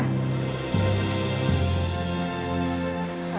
คุณแม่คะ